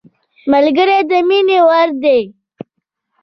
ملګری د مینې وړ دی